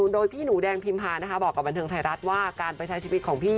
โดยพี่หนูแดงพิมพานะคะบอกกับบันเทิงไทยรัฐว่าการไปใช้ชีวิตของพี่